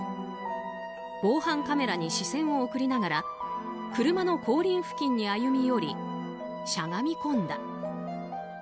防犯カメラに視線を送りながら車の後輪付近に歩み寄りしゃがみ込んだ。